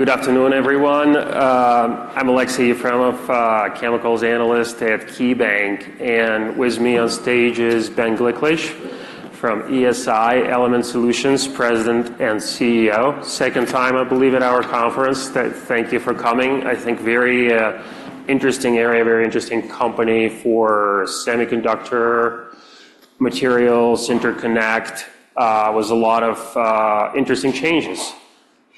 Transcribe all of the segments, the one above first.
Good afternoon, everyone. I'm Aleksey Yefremov, chemicals analyst at KeyBanc, and with me on stage is Ben Gliklich from ESI, Element Solutions, President and CEO. Second time, I believe, at our conference. Thank you for coming. I think very interesting area, very interesting company for semiconductor materials. Interconnect was a lot of interesting changes.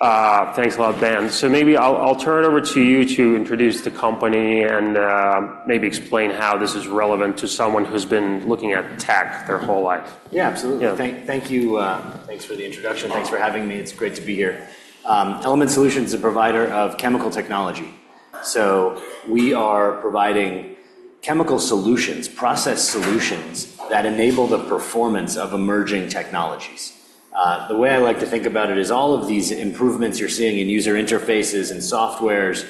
Thanks a lot, Ben. So maybe I'll turn it over to you to introduce the company and maybe explain how this is relevant to someone who's been looking at tech their whole life. Yeah, absolutely. Yeah. Thank you, thanks for the introduction. Uh- Thanks for having me. It's great to be here. Element Solutions is a provider of chemical technology, so we are providing chemical solutions, process solutions that enable the performance of emerging technologies. The way I like to think about it is all of these improvements you're seeing in user interfaces and softwares,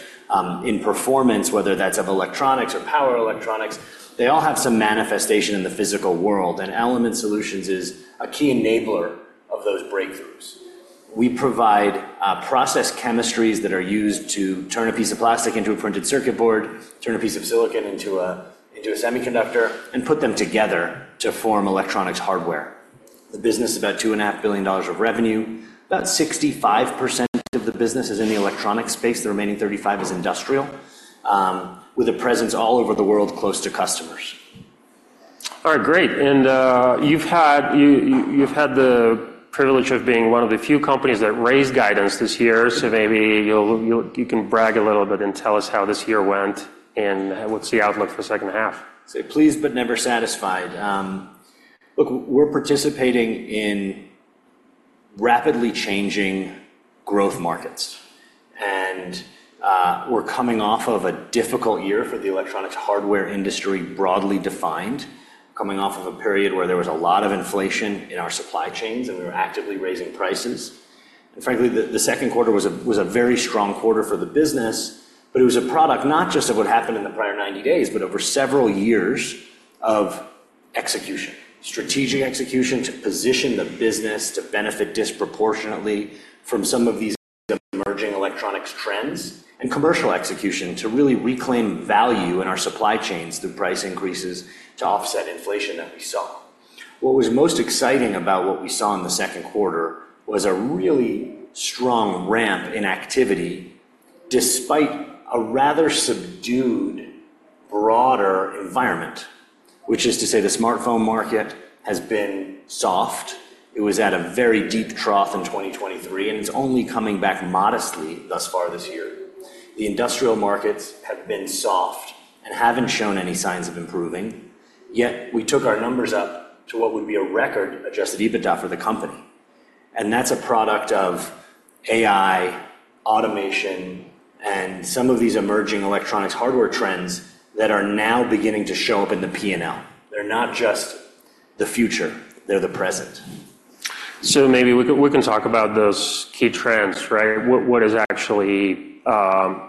in performance, whether that's of electronics or power electronics, they all have some manifestation in the physical world, and Element Solutions is a key enabler of those breakthroughs. We provide, process chemistries that are used to turn a piece of plastic into a printed circuit board, turn a piece of silicon into a, into a semiconductor, and put them together to form electronics hardware. The business is about $2.5 billion of revenue. About 65% of the business is in the electronics space, the remaining 35% is industrial, with a presence all over the world, close to customers. All right, great. And you've had the privilege of being one of the few companies that raised guidance this year, so maybe you can brag a little bit and tell us how this year went, and what's the outlook for the second half? So, pleased but never satisfied. Look, we're participating in rapidly changing growth markets, and we're coming off of a difficult year for the electronics hardware industry, broadly defined. Coming off of a period where there was a lot of inflation in our supply chains, and we were actively raising prices. And frankly, the second quarter was a very strong quarter for the business, but it was a product not just of what happened in the prior 90 days, but over several years of execution. Strategic execution to position the business to benefit disproportionately from some of these emerging electronics trends, and commercial execution to really reclaim value in our supply chains through price increases to offset inflation that we saw. What was most exciting about what we saw in the second quarter was a really strong ramp in activity, despite a rather subdued, broader environment. Which is to say the smartphone market has been soft. It was at a very deep trough in 2023, and it's only coming back modestly thus far this year. The industrial markets have been soft and haven't shown any signs of improving, yet we took our numbers up to what would be a record adjusted EBITDA for the company, and that's a product of AI, automation, and some of these emerging electronics hardware trends that are now beginning to show up in the P&L. They're not just the future, they're the present. So maybe we can, we can talk about those key trends, right? What, what is actually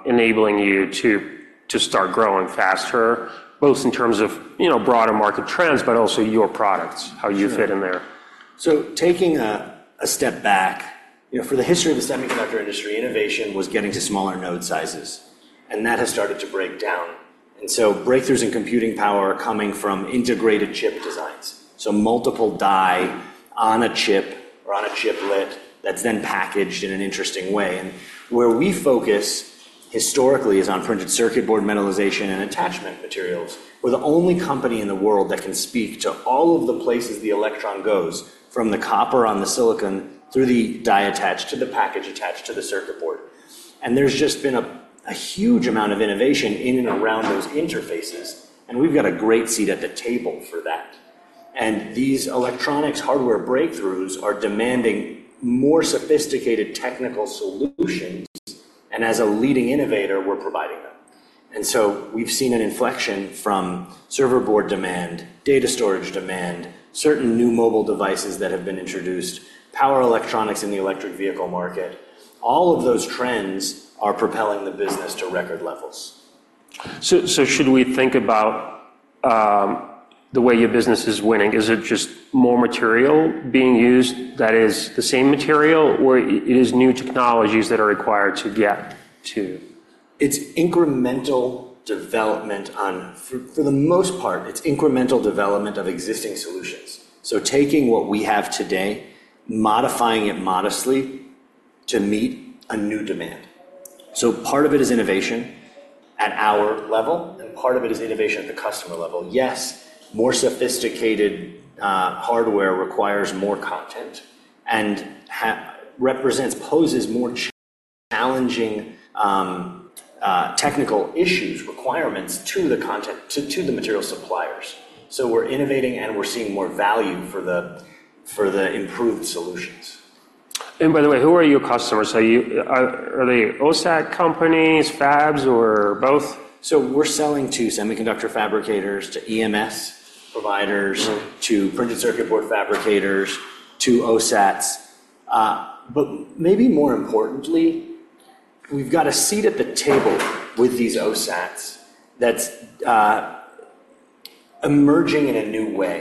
enabling you to, to start growing faster, both in terms of, you know, broader market trends, but also your products- Sure. How you fit in there? So taking a step back, you know, for the history of the semiconductor industry, innovation was getting to smaller node sizes, and that has started to break down. So breakthroughs in computing power are coming from integrated chip designs. So multiple die on a chip or on a chiplet that's then packaged in an interesting way. And where we focus historically is on printed circuit board metallization and attachment materials. We're the only company in the world that can speak to all of the places the electron goes, from the copper on the silicon through the die attach, to the package attach, to the circuit board. And there's just been a huge amount of innovation in and around those interfaces, and we've got a great seat at the table for that. These electronics hardware breakthroughs are demanding more sophisticated technical solutions, and as a leading innovator, we're providing them. So we've seen an inflection from server board demand, data storage demand, certain new mobile devices that have been introduced, power electronics in the electric vehicle market. All of those trends are propelling the business to record levels. So, should we think about the way your business is winning? Is it just more material being used that is the same material, or is new technologies that are required to get to? For the most part, it's incremental development of existing solutions. So taking what we have today, modifying it modestly to meet a new demand. So part of it is innovation at our level, and part of it is innovation at the customer level. Yes, more sophisticated hardware requires more content and represents, poses more challenging technical issues, requirements to the content, to the material suppliers. So we're innovating, and we're seeing more value for the improved solutions. And by the way, who are your customers? Are they OSAT companies, fabs, or both? We're selling to semiconductor fabricators, to EMS providers. Mm-hmm. -to printed circuit board fabricators, to OSATs. But maybe more importantly, we've got a seat at the table with these OSATs that's emerging in a new way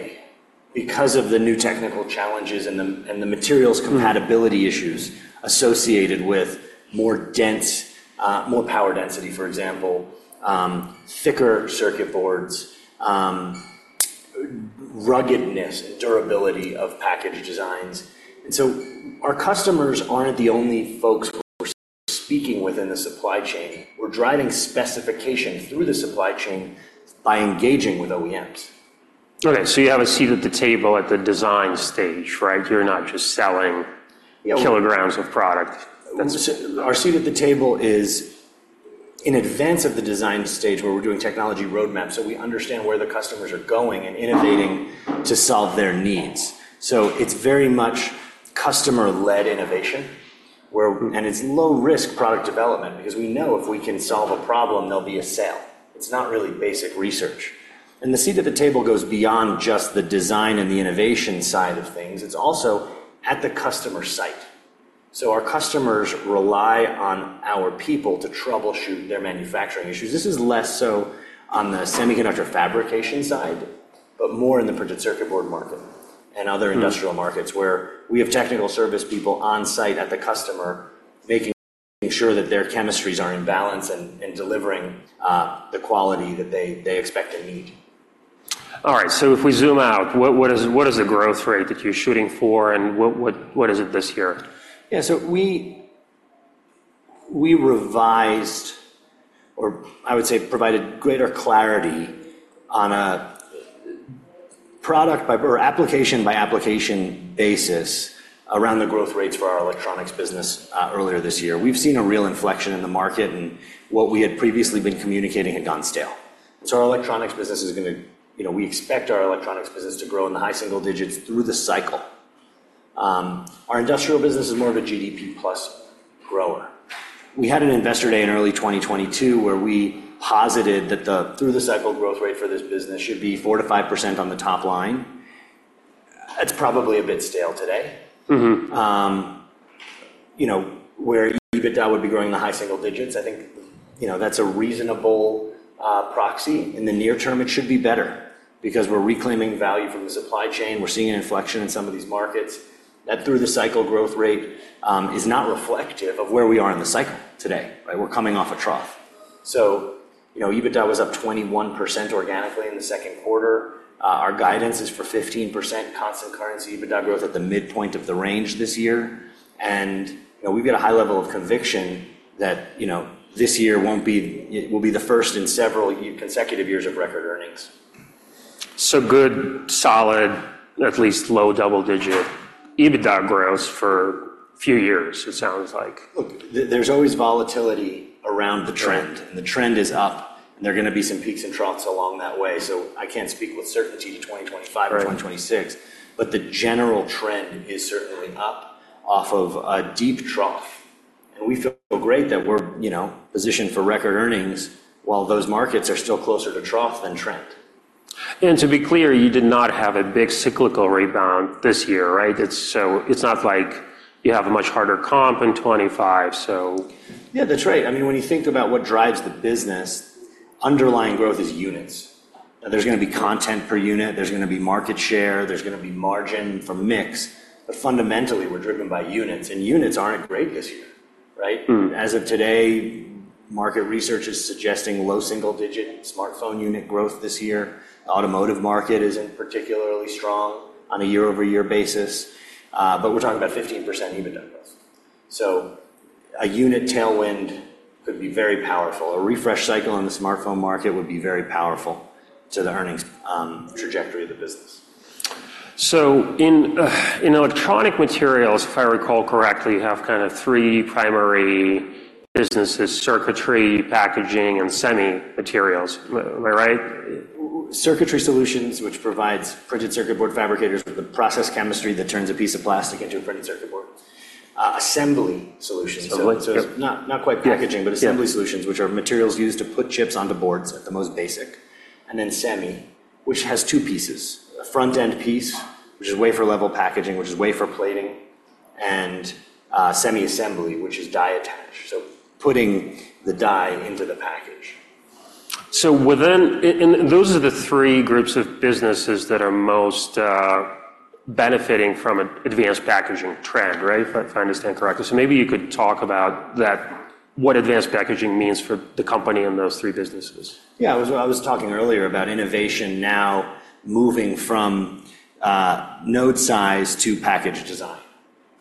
because of the new technical challenges and the materials compatibility- Mm-hmm. Issues associated with more dense, more power density, for example, thicker circuit boards, ruggedness and durability of package designs. So our customers aren't the only folks we're speaking with in the supply chain. We're driving specification through the supply chain by engaging with OEMs. Okay, so you have a seat at the table at the design stage, right? You're not just selling- Yeah. -kilograms of product. Our seat at the table is in advance of the design stage, where we're doing technology roadmaps, so we understand where the customers are going and innovating to solve their needs. It's very much customer-led innovation, where- Mm-hmm. And it's low-risk product development because we know if we can solve a problem, there'll be a sale. It's not really basic research. And the seat at the table goes beyond just the design and the innovation side of things. It's also at the customer site. So our customers rely on our people to troubleshoot their manufacturing issues. This is less so on the semiconductor fabrication side, but more in the printed circuit board market and other- Hmm... industrial markets, where we have technical service people on-site at the customer, making sure that their chemistries are in balance and delivering the quality that they expect and need. All right. So if we zoom out, what is the growth rate that you're shooting for, and what is it this year? Yeah, so we revised, or I would say, provided greater clarity on a product by-- or application-by-application basis around the growth rates for our electronics business earlier this year. We've seen a real inflection in the market, and what we had previously been communicating had gone stale. So our electronics business is going to... You know, we expect our electronics business to grow in the high single digits through the cycle. Our industrial business is more of a GDP plus grower. We had an Investor Day in early 2022, where we posited that the through-the-cycle growth rate for this business should be 4%-5% on the top line. That's probably a bit stale today. Mm-hmm. You know, where EBITDA would be growing in the high single digits, I think, you know, that's a reasonable proxy. In the near term, it should be better because we're reclaiming value from the supply chain. We're seeing an inflection in some of these markets. That through-the-cycle growth rate is not reflective of where we are in the cycle today, right? We're coming off a trough. So, you know, EBITDA was up 21% organically in the second quarter. Our guidance is for 15% constant currency EBITDA growth at the midpoint of the range this year. And, you know, we've got a high level of conviction that, you know, this year won't be, will be the first in several consecutive years of record earnings. Good, solid, at least low double-digit EBITDA growth for a few years, it sounds like. Look, there's always volatility around the trend- Right. and the trend is up, and there are going to be some peaks and troughs along that way. So I can't speak with certainty to 2025 or 2026. Right. But the general trend is certainly up off of a deep trough, and we feel great that we're, you know, positioned for record earnings while those markets are still closer to trough than trend. To be clear, you did not have a big cyclical rebound this year, right? It's, so it's not like you have a much harder comp in 25, so. Yeah, that's right. I mean, when you think about what drives the business, underlying growth is units. There's going to be content per unit, there's going to be market share, there's going to be margin from mix. But fundamentally, we're driven by units, and units aren't great this year, right? Mm-hmm. As of today, market research is suggesting low single-digit smartphone unit growth this year. Automotive market isn't particularly strong on a year-over-year basis, but we're talking about 15% EBITDA growth. So a unit tailwind could be very powerful. A refresh cycle on the smartphone market would be very powerful to the earnings, trajectory of the business. So in electronic materials, if I recall correctly, you have kind of three primary businesses: circuitry, packaging, and semi materials. Am I right? Circuitry Solutions, which provides printed circuit board fabricators with the process chemistry that turns a piece of plastic into a printed circuit board. Assembly Solutions- Assembly, yep. So, not quite packaging- Yeah. but assembly solutions, which are materials used to put chips onto boards at the most basic. And then semi, which has two pieces: a front-end piece, which is wafer level packaging, which is wafer plating, and semi-assembly, which is die attach, so putting the die into the package. And those are the three groups of businesses that are most benefiting from an advanced packaging trend, right? If I understand correctly. So maybe you could talk about that, what advanced packaging means for the company and those three businesses. Yeah, I was talking earlier about innovation now moving from node size to package design,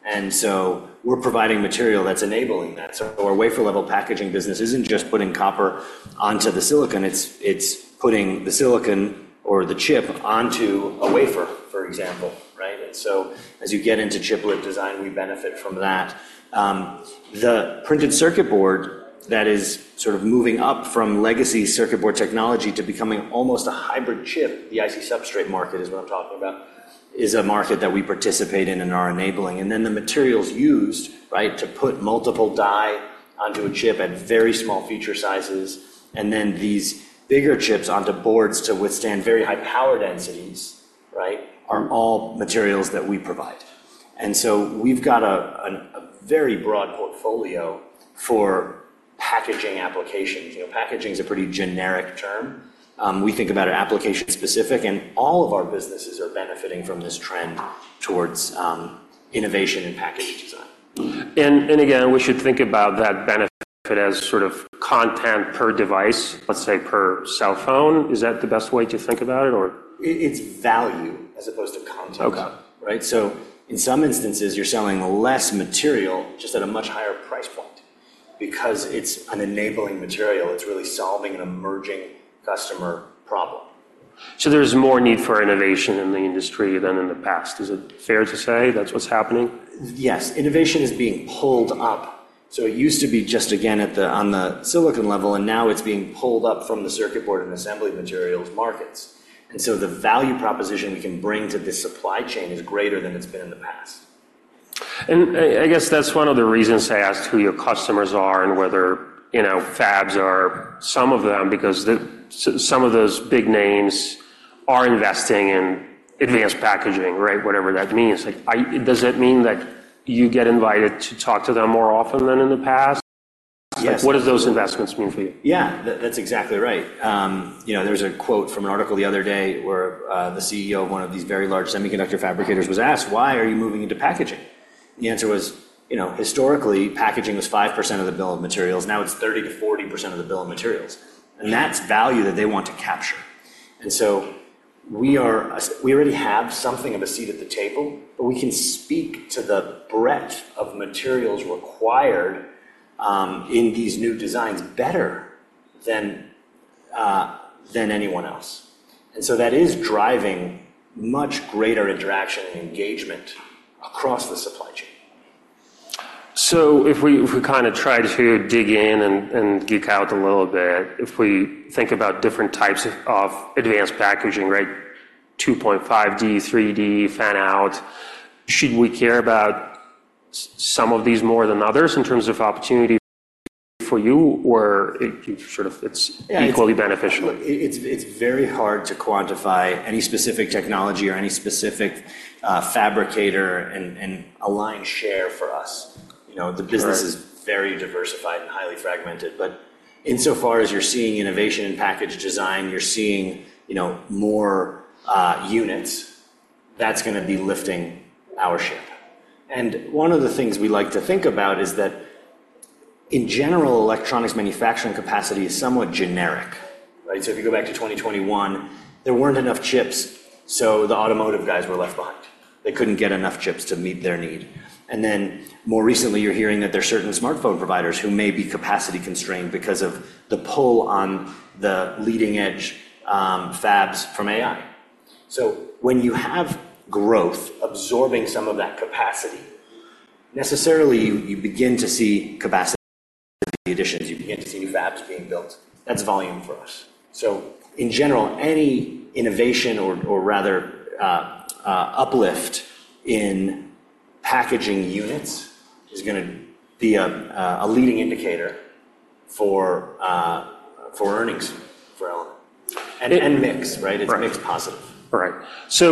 and so we're providing material that's enabling that. So our wafer level packaging business isn't just putting copper onto the silicon, it's putting the silicon or the chip onto a wafer, for example, right? And so, as you get into chiplet design, we benefit from that. The printed circuit board that is sort of moving up from legacy circuit board technology to becoming almost a hybrid chip, the IC substrate market is what I'm talking about, is a market that we participate in and are enabling. And then the materials used, right, to put multiple die onto a chip at very small feature sizes, and then these bigger chips onto boards to withstand very high power densities, right, are all materials that we provide. And so we've got a very broad portfolio for packaging applications. You know, packaging is a pretty generic term. We think about it application-specific, and all of our businesses are benefiting from this trend towards innovation in package design. And again, we should think about that benefit as sort of content per device, let's say, per cell phone? Is that the best way to think about it, or- It's value as opposed to content. Okay. Right? So in some instances, you're selling less material, just at a much higher price point. Because it's an enabling material, it's really solving an emerging customer problem. So there's more need for innovation in the industry than in the past. Is it fair to say that's what's happening? Yes. Innovation is being pulled up. So it used to be just, again, at the, on the silicon level, and now it's being pulled up from the circuit board and assembly materials markets. And so the value proposition we can bring to the supply chain is greater than it's been in the past. I guess that's one of the reasons I asked who your customers are and whether, you know, fabs are some of them, because the, some of those big names are investing in- Mm... advanced packaging, right? Whatever that means. Like, I-- does it mean that you get invited to talk to them more often than in the past? Yes. Like, what do those investments mean for you? Yeah, that, that's exactly right. You know, there was a quote from an article the other day where, the CEO of one of these very large semiconductor fabricators was asked: "Why are you moving into packaging?" The answer was, "You know, historically, packaging was 5% of the bill of materials. Now it's 30%-40% of the bill of materials. Mm. And that's value that they want to capture. And so we are, we already have something of a seat at the table, but we can speak to the breadth of materials required in these new designs better than than anyone else. And so that is driving much greater interaction and engagement across the supply chain. So if we kind of try to dig in and geek out a little bit, if we think about different types of advanced packaging, right, 2.5D, 3D, fan-out, should we care about some of these more than others in terms of opportunity for you, or it sort of, it's- Yeah... equally beneficial? It's very hard to quantify any specific technology or any specific fabricator and align share for us. You know- Right... the business is very diversified and highly fragmented. But insofar as you're seeing innovation in package design, you're seeing, you know, more, units, that's gonna be lifting our ship. And one of the things we like to think about is that, in general, electronics manufacturing capacity is somewhat generic, right? So if you go back to 2021, there weren't enough chips, so the automotive guys were left behind. They couldn't get enough chips to meet their need. And then, more recently, you're hearing that there are certain smartphone providers who may be capacity constrained because of the pull on the leading-edge, fabs from AI. So when you have growth absorbing some of that capacity, necessarily, you begin to see capacity additions, you begin to see new fabs being built. That's volume for us. So in general, any innovation or rather uplift in packaging units is gonna be a leading indicator for earnings for Element. And mix, right? Right. It's mixed positive. Right. So,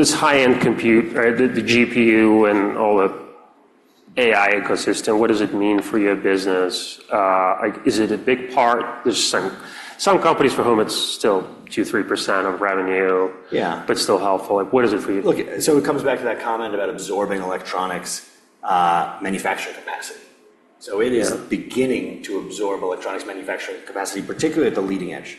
this high-end compute, right, the GPU and all the AI ecosystem, what does it mean for your business? Like, is it a big part? There's some companies for whom it's still 2%-3% of revenue- Yeah... but still helpful. Like, what is it for you? Look, so it comes back to that comment about absorbing electronics manufacturing capacity. Yeah. So it is beginning to absorb electronics manufacturing capacity, particularly at the leading edge.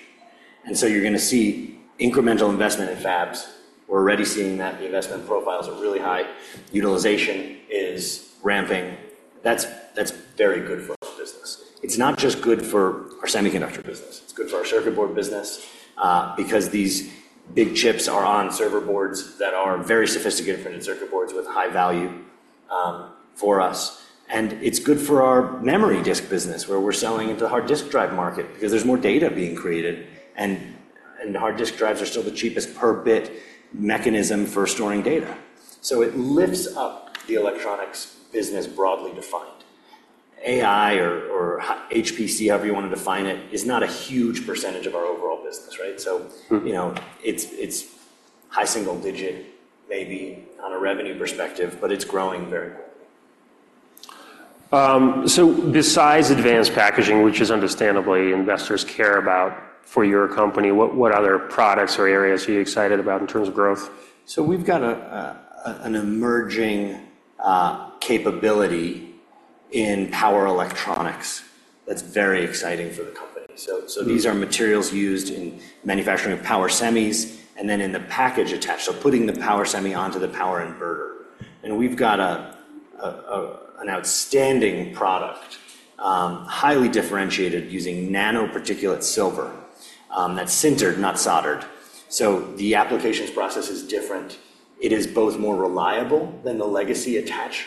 And so you're gonna see incremental investment in fabs. We're already seeing that the investment profiles are really high. Utilization is ramping. That's, that's very good for our business. It's not just good for our semiconductor business. It's good for our circuit board business, because these big chips are on server boards that are very sophisticated and circuit boards with high value for us. And it's good for our memory disk business, where we're selling into the hard disk drive market because there's more data being created, and, and hard disk drives are still the cheapest per bit mechanism for storing data. So it lifts up the electronics business, broadly defined. AI or HPC, however you want to define it, is not a huge percentage of our overall business, right? Mm. So, you know, it's high single digit, maybe on a revenue perspective, but it's growing very quickly. So besides advanced packaging, which is understandably investors care about for your company, what other products or areas are you excited about in terms of growth? We've got an emerging capability in power electronics that's very exciting for the company. Mm. So these are materials used in manufacturing of power semis and then in the package attached, so putting the power semi onto the power inverter. And we've got an outstanding product, highly differentiated using nanoparticulate silver, that's sintered, not soldered. So the applications process is different. It is both more reliable than the legacy attach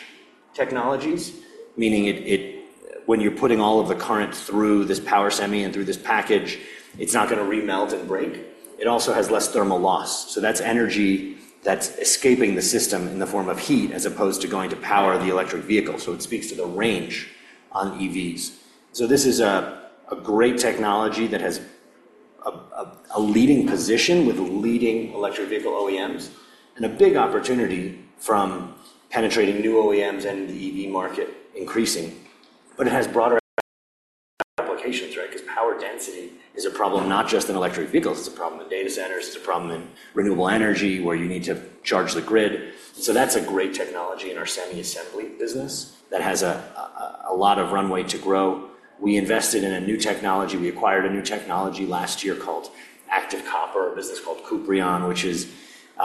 technologies, meaning it when you're putting all of the current through this power semi and through this package, it's not gonna remelt and break. It also has less thermal loss, so that's energy that's escaping the system in the form of heat as opposed to going to power the electric vehicle. So it speaks to the range on EVs. So this is a great technology that has p-... a leading position with leading electric vehicle OEMs and a big opportunity from penetrating new OEMs and the EV market increasing. But it has broader applications, right? Because power density is a problem, not just in electric vehicles. It's a problem in data centers. It's a problem in renewable energy, where you need to charge the grid. So that's a great technology in our semi-assembly business that has a lot of runway to grow. We invested in a new technology. We acquired a new technology last year called ActiveCopper, a business called Kuprion, which is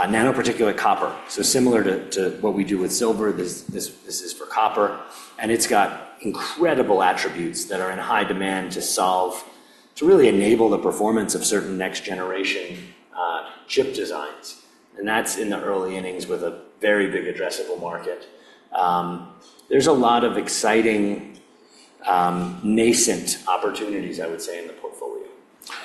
nanoparticulate copper. So similar to what we do with silver, this is for copper, and it's got incredible attributes that are in high demand to solve to really enable the performance of certain next-generation chip designs. And that's in the early innings with a very big addressable market. There's a lot of exciting, nascent opportunities, I would say, in the portfolio.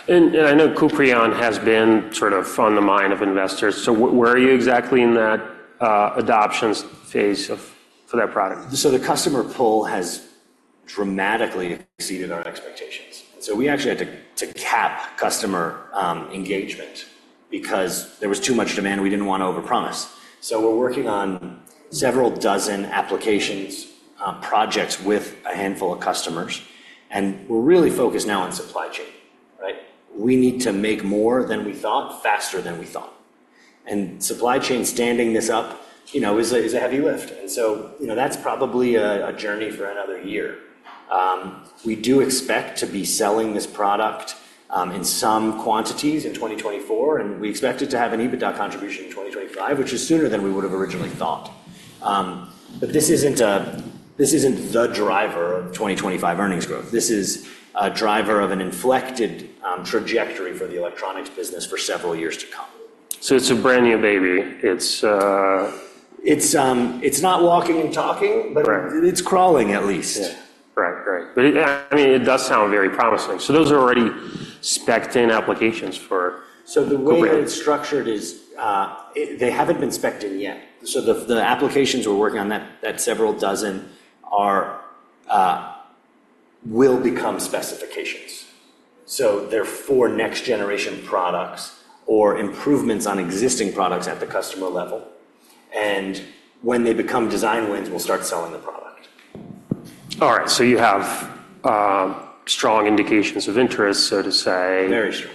And I know Kuprion has been sort of on the mind of investors. So where are you exactly in that adoption phase for that product? So the customer pull has dramatically exceeded our expectations. So we actually had to cap customer engagement because there was too much demand, we didn't want to overpromise. So we're working on several dozen applications, projects with a handful of customers, and we're really focused now on supply chain, right? We need to make more than we thought, faster than we thought. And supply chain standing this up, you know, is a heavy lift. And so, you know, that's probably a journey for another year. We do expect to be selling this product in some quantities in 2024, and we expect it to have an EBITDA contribution in 2025, which is sooner than we would have originally thought. But this isn't the driver of 2025 earnings growth. This is a driver of an inflected trajectory for the electronics business for several years to come. So it's a brand-new baby. It's not walking and talking. Right. But it's crawling at least. Yeah. Right. Right. But, yeah, I mean, it does sound very promising. So those are already specced in applications for Kuprion. So the way it's structured is, they haven't been specced in yet. So the applications we're working on, that several dozen, will become specifications. So they're for next-generation products or improvements on existing products at the customer level, and when they become design wins, we'll start selling the product. All right. So you have strong indications of interest, so to say? Very strong.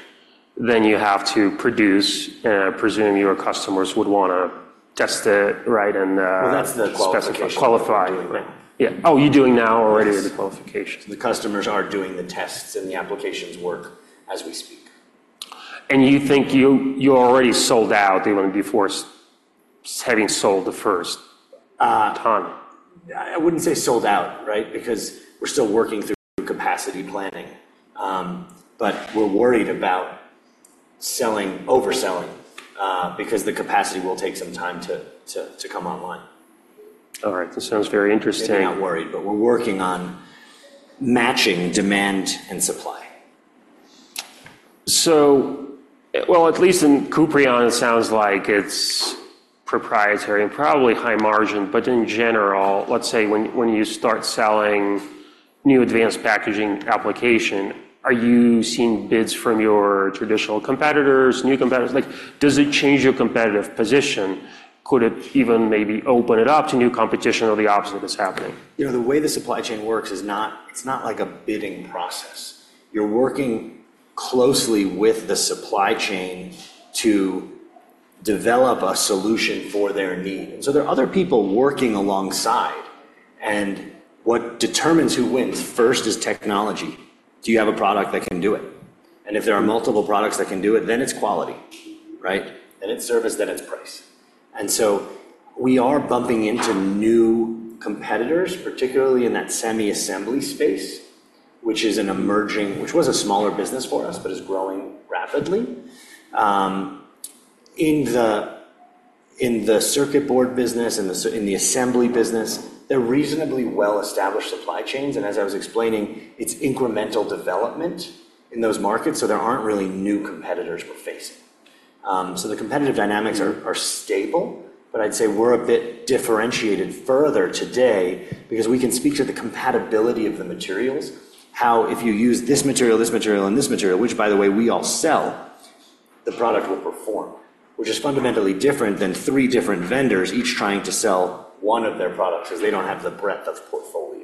Then you have to produce, and I presume your customers would want to test it, right? And well, that's the qualification. Qualify, right. Yeah. Oh, you're doing now already the qualification? The customers are doing the tests, and the applications work as we speak. And you think you, you're already sold out, even before having sold the first ton. I wouldn't say sold out, right? Because we're still working through capacity planning. But we're worried about selling, overselling, because the capacity will take some time to come online. All right. This sounds very interesting. Maybe not worried, but we're working on matching demand and supply. So... Well, at least in Kuprion, it sounds like it's proprietary and probably high margin, but in general, let's say when, when you start selling new advanced packaging application, are you seeing bids from your traditional competitors, new competitors? Like, does it change your competitive position? Could it even maybe open it up to new competition, or the opposite is happening? You know, the way the supply chain works is not. It's not like a bidding process. You're working closely with the supply chain to develop a solution for their needs. So there are other people working alongside, and what determines who wins first is technology. Do you have a product that can do it? And if there are multiple products that can do it, then it's quality, right? Then it's service, then it's price. And so we are bumping into new competitors, particularly in that semi-assembly space, which was a smaller business for us but is growing rapidly. In the circuit board business and in the assembly business, they're reasonably well-established supply chains, and as I was explaining, it's incremental development in those markets, so there aren't really new competitors we're facing. So the competitive dynamics are stable, but I'd say we're a bit differentiated further today because we can speak to the compatibility of the materials. How if you use this material, this material, and this material, which, by the way, we all sell, the product will perform, which is fundamentally different than three different vendors each trying to sell one of their products because they don't have the breadth of portfolio.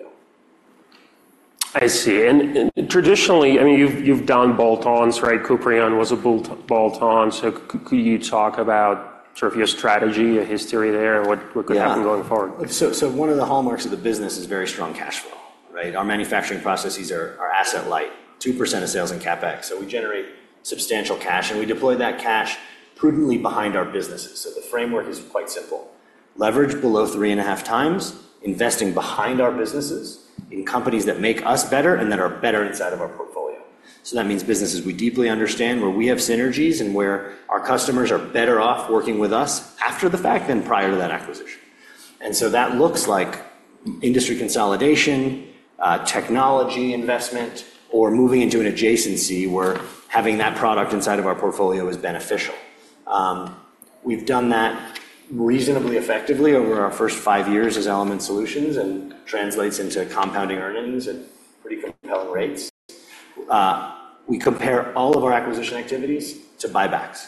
I see. And traditionally, I mean, you've done bolt-ons, right? Kuprion was a bolt-on. So could you talk about sort of your strategy, your history there, and what could happen going forward? Yeah. So one of the hallmarks of the business is very strong cash flow, right? Our manufacturing processes are asset light, 2% of sales and CapEx. So we generate substantial cash, and we deploy that cash prudently behind our businesses. So the framework is quite simple: leverage below 3.5x, investing behind our businesses in companies that make us better and that are better inside of our portfolio. So that means businesses we deeply understand, where we have synergies and where our customers are better off working with us after the fact than prior to that acquisition. That looks like industry consolidation, technology investment, or moving into an adjacency where having that product inside of our portfolio is beneficial. We've done that reasonably effectively over our first five years as Element Solutions, and translates into compounding earnings at pretty compelling rates. We compare all of our acquisition activities to buybacks,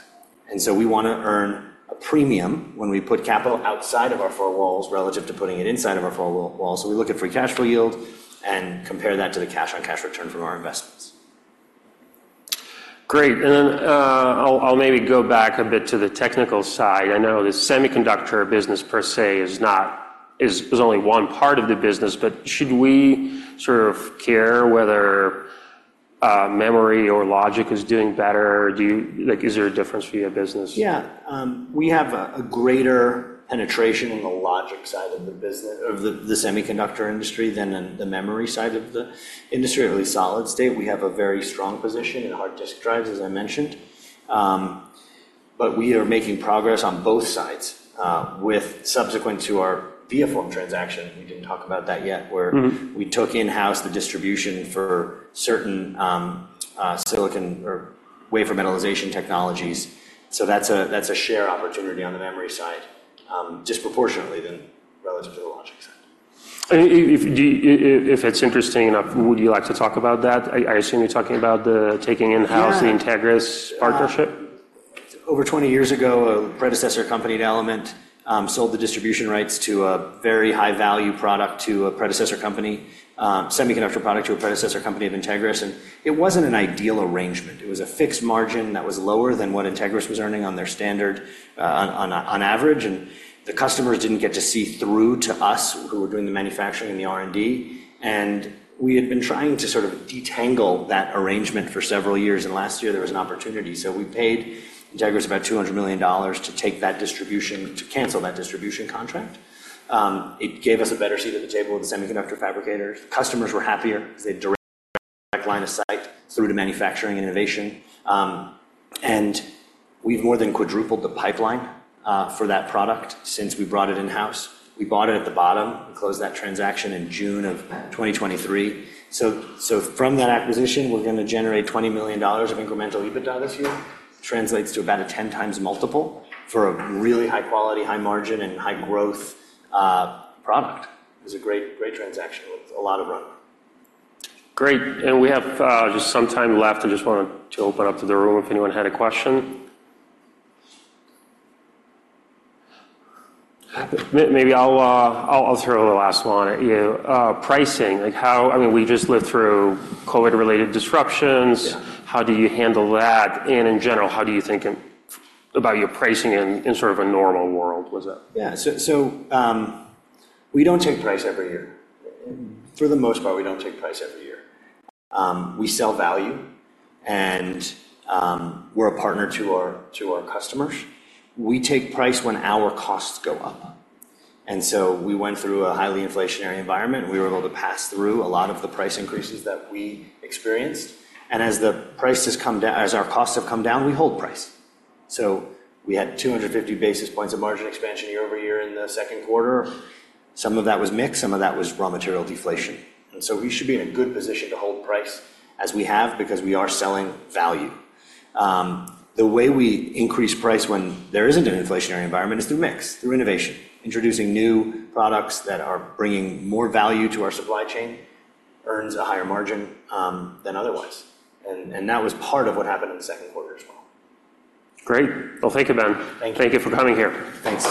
and so we want to earn a premium when we put capital outside of our four walls relative to putting it inside of our four walls. So we look at free cash flow yield and compare that to the cash on cash return from our investments. Great. Then, I'll maybe go back a bit to the technical side. I know the semiconductor business per se is not, is only one part of the business, but should we sort of care whether memory or logic is doing better? Do you—like, is there a difference for your business? Yeah. We have a greater penetration in the logic side of the business, of the semiconductor industry than in the memory side of the industry. Early solid state, we have a very strong position in hard disk drives, as I mentioned. But we are making progress on both sides, with subsequent to our ViaForm transaction, we didn't talk about that yet- Mm-hmm. where we took in-house the distribution for certain silicon or wafer metallization technologies. So that's a share opportunity on the memory side, disproportionately than relative to the logic side. And if, do you, if it's interesting enough, would you like to talk about that? I assume you're talking about the taking in-house- Yeah. the Entegris partnership? Over 20 years ago, a predecessor company at Element sold the distribution rights to a very high-value product to a predecessor company, semiconductor product to a predecessor company of Entegris, and it wasn't an ideal arrangement. It was a fixed margin that was lower than what Entegris was earning on their standard, on average, and the customers didn't get to see through to us who were doing the manufacturing and the R&D. We had been trying to sort of disentangle that arrangement for several years, and last year there was an opportunity. So we paid Entegris about $200 million to take that distribution, to cancel that distribution contract. It gave us a better seat at the table with the semiconductor fabricators. Customers were happier because they had direct line of sight through to manufacturing innovation. And we've more than quadrupled the pipeline for that product since we brought it in-house. We bought it at the bottom and closed that transaction in June of 2023. So from that acquisition, we're gonna generate $20 million of incremental EBITDA this year. Translates to about a 10x multiple for a really high quality, high margin, and high growth product. It was a great, great transaction with a lot of run. Great, and we have just some time left. I just wanted to open up to the room if anyone had a question. Maybe I'll throw the last one at you. Pricing, like how, I mean, we just lived through COVID-related disruptions. Yeah. How do you handle that, and in general, how do you think about your pricing in sort of a normal world? Was that- Yeah. So, we don't take price every year. For the most part, we don't take price every year. We sell value, and, we're a partner to our, to our customers. We take price when our costs go up, and so we went through a highly inflationary environment. We were able to pass through a lot of the price increases that we experienced, and as the prices come down, as our costs have come down, we hold price. So we had 250 basis points of margin expansion year-over-year in the second quarter. Some of that was mix, some of that was raw material deflation. And so we should be in a good position to hold price as we have because we are selling value. The way we increase price when there isn't an inflationary environment is through mix, through innovation. Introducing new products that are bringing more value to our supply chain earns a higher margin than otherwise, and that was part of what happened in the second quarter as well. Great! Well, thank you, Ben. Thank you. Thank you for coming here. Thanks.